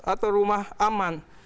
atau rumah aman